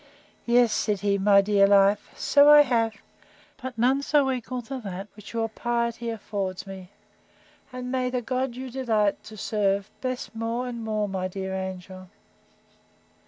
—Yes, said he, my dear life, so I have; but none equal to that which your piety affords me; And may the God you delight to serve, bless more and more my dear angel!